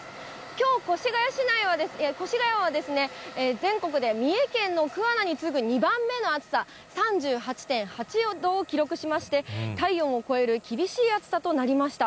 きょう、越谷は全国で三重県の桑名に次ぐ２番目の暑さ、３８．８度を記録しまして、体温を超える厳しい暑さとなりました。